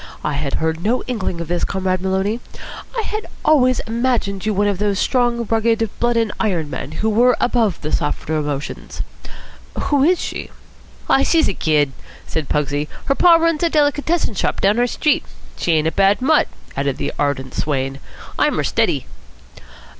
"I had heard no inkling of this, Comrade Maloney. I had always imagined you one of those strong, rugged, blood and iron men who were above the softer emotions. Who is she?" "Aw, she's a kid," said Pugsy. "Her pa runs a delicatessen shop down our street. She ain't a bad mutt," added the ardent swain. "I'm her steady."